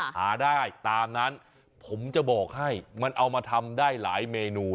หาได้ตามนั้นผมจะบอกให้มันเอามาทำได้หลายเมนู